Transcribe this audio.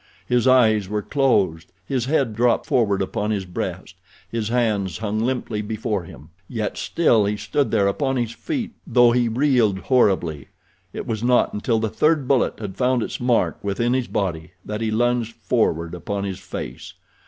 His eyes were closed, his head dropped forward upon his breast, his hands hung limply before him. Yet still he stood there upon his feet, though he reeled horribly. It was not until the third bullet had found its mark within his body that he lunged forward upon his face.